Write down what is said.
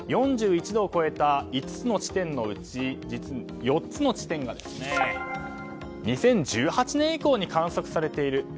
４１度を超えた５つの地点のうち実に４つの地点が２０１８年以降に観測されている。